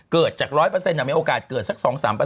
เกิดจาก๑๐๐มีโอกาสเกิดสัก๒๓